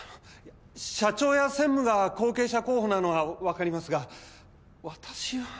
社長や専務が後継者候補なのはわかりますが私は。